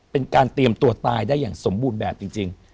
เป็นการเตรียมตัวตายได้อย่างสมบูรณ์แบบจริง